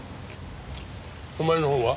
お前のほうは？